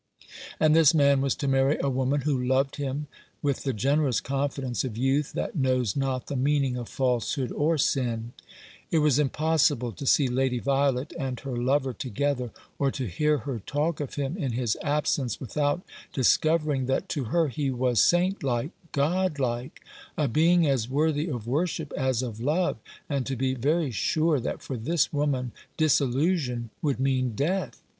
And this man was to marry a woman who loved him with the generous confidence of youth that knows not the meaning of falsehood or sin. It was impossible to see Lady Violet and her lover together, or to hear her talk of him in his absence, without discovering that to her he was saint like, God like, a being as worthy of worship as of love, and to be very sure that for this woman disillusion would mean death.